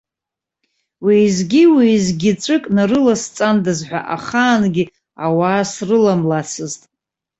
Уеизгьы-уеизгьы ҵәык нарыласҵандаз ҳәа ахаангьы ауаа срыламлацызт.